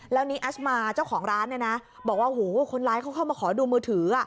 แล้วนี้อัชมาเจ้าของร้านเนี่ยนะบอกว่าโหคนร้ายเขาเข้ามาขอดูมือถือ